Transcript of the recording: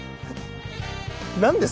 何ですか？